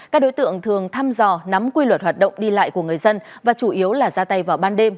các đối tượng thường thăm dò nắm quy luật hoạt động đi lại của người dân và chủ yếu là ra tay vào ban đêm